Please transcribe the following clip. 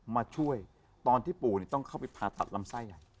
มาช่วยตอนที่ปู่ต้องเข้าไปผ่าตัดลำไส้ใหญ่